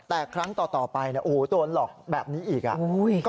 แต่ครั้งต่อไปโดนหลอกแบบนี้อีกอ่ะ